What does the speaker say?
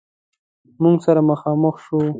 موږ سره مخامخ شو.